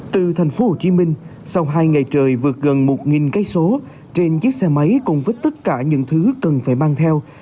từ thành phố hồ chí minh sau hai ngày trời vượt gần một cây số trên chiếc xe máy cùng với tất cả những thứ cần phải mang theo